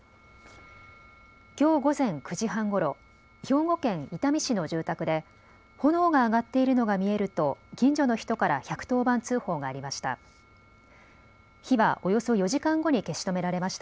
きょう午前９時時半ごろ、兵庫県伊丹市の住宅で炎が上がっているのが見えると近所の人から１１０番通報がありました。